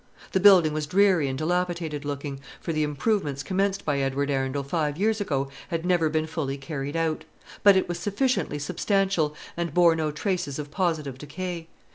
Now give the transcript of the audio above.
The building was dreary and dilapidated looking, for the improvements commenced by Edward Arundel five years ago had never been fully carried out; but it was sufficiently substantial, and bore no traces of positive decay.